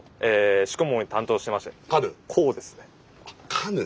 カヌー？